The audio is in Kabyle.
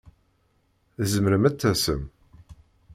Tzemrem ad d-tasem?